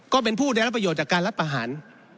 ก็เป็นผู้ได้รับประโยชน์จากการรัฐประหาร